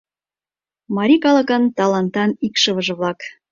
Марий калыкын талантан икшывыже-влак.